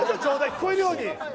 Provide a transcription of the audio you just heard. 聞こえるように。